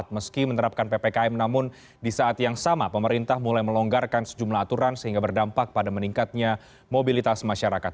meski menerapkan ppkm namun di saat yang sama pemerintah mulai melonggarkan sejumlah aturan sehingga berdampak pada meningkatnya mobilitas masyarakat